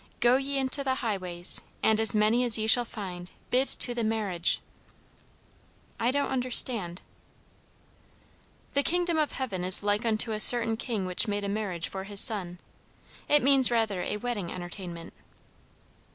'Go ye into the highways, and as many as ye shall find, bid to the marriage.'" "I don't understand" "'The kingdom of heaven is like unto a certain king which made a marriage for his son,' it means rather a wedding entertainment."